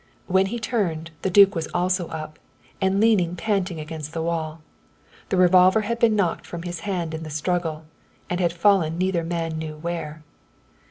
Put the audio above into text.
When he turned, the duke was also up, and leaning panting against the wall. The revolver had been knocked from his hand in the struggle, and had fallen neither man knew where.